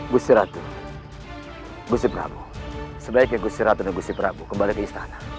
gusti ratu gusti prabu sebaiknya gusti ratu dan gusti prabu kembali ke istana